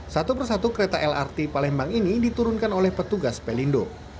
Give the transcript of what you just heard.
satu persatu kereta lrt palembang ini diturunkan oleh petugas pelindo